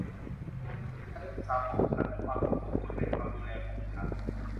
ลูกชายและลูกสาวของฉัน และความสุขของคุณเป็นความดูแลของฉัน